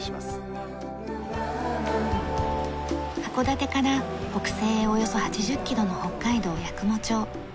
函館から北西へおよそ８０キロの北海道八雲町。